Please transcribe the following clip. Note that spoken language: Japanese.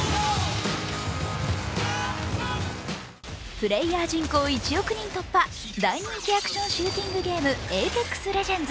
プレーヤー人口１億人突破、大人気アクションシューティングゲーム「ＡｐｅｘＬｅｇｅｎｄｓ」。